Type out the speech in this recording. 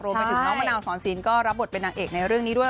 ไปถึงน้องมะนาวสอนศิลป์ก็รับบทเป็นนางเอกในเรื่องนี้ด้วย